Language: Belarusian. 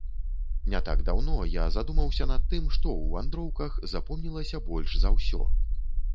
Не так даўно я задумаўся над тым, што ў вандроўках запомнілася больш за ўсё.